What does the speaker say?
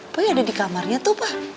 boy ada di kamarnya tuh pa